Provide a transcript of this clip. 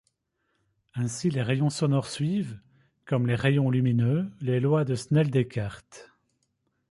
Ainsi, les rayons sonores suivent, comme les rayons lumineux, les lois de Snell-Descartes.